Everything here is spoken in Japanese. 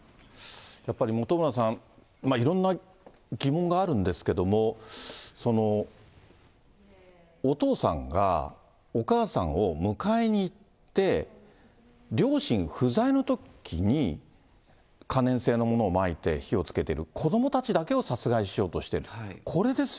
やっぱり本村さん、いろんな疑問があるんですけれども、お父さんがお母さんを迎えに行って、両親不在のときに、可燃性のものをまいて火をつけてる、子どもたちだけを殺害しようとしている。